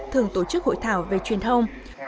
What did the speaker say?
thomas thường tổ chức hội thảo về truyền thông